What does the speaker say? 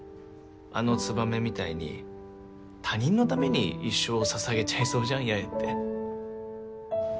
あのつばめみたいに他人のために一生を捧げちゃいそうじゃん八重って。